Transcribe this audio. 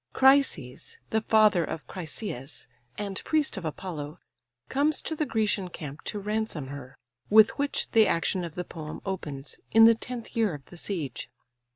Chryses, the father of Chryseïs, and priest of Apollo, comes to the Grecian camp to ransom her; with which the action of the poem opens, in the tenth year of the siege.